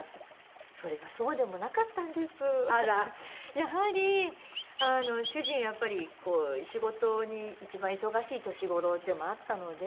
やはり主人はやっぱり仕事に一番忙しい年頃でもあったので。